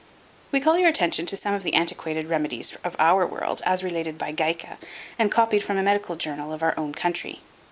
We call your attention to some of the antiquated remedies of our world as related by Geike and copied from a medical journal of our own country.